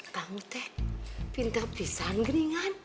kamu teh pinter pisang geringan